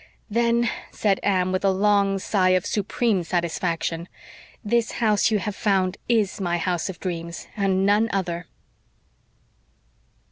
"Then," said Anne, with a long sigh of supreme satisfaction, "this house you have found IS my house of dreams and none other."